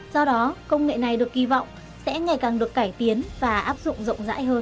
do đó công nghệ này được kỳ vọng sẽ ngày càng được cải tiến và áp dụng rộng rãi hơn